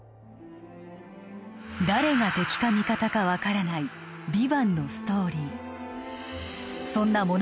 誰が敵か味方か分からない「ＶＩＶＡＮＴ」のストーリー